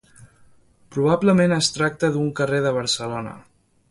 Probablement es tracta d'un carrer de Barcelona.